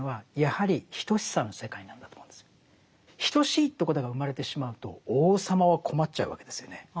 等しいということが生まれてしまうと王様は困っちゃうわけですよね。